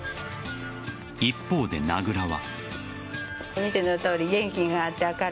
一方で、名倉は。